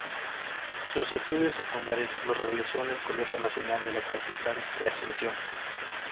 Sus estudios secundarios los realizó en el Colegio Nacional de la Capital de Asunción.